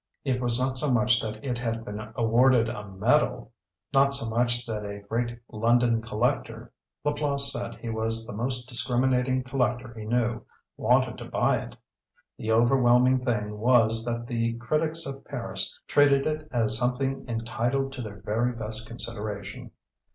It was not so much that it had been awarded a medal; not so much that a great London collector Laplace said he was the most discriminating collector he knew wanted to buy it. The overwhelming thing was that the critics of Paris treated it as something entitled to their very best consideration.